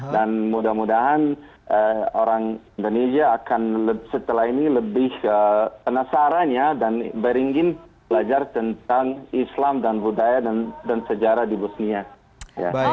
dan mudah mudahan orang indonesia akan setelah ini lebih penasarannya dan beringin belajar tentang islam dan budaya dan sejarah di bosnia